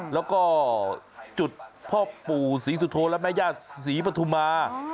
แล้วก็จุดพ่อปู่ศรีสุโธและแม่ญาติศรีปฐุมา